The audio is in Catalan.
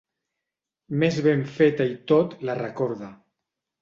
Més ben feta i tot, la recorda.